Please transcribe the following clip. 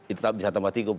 itu bisa tambah tiga puluh